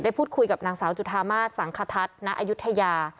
พูดคุยกับนางสาวจุธามาสสังคทัศน์ณอายุทยา